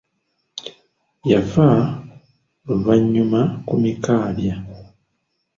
Yafa luvannyuma ku Mikaabya.